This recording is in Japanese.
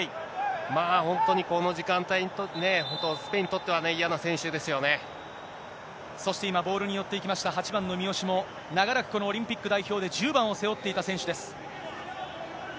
本当にこの時間帯に、本当、スペインにとってはね、嫌な選手そして今、ボールに寄っていきました、８番の三好も、長らくこのオリンピック代表で１０番を背負っていた選手です。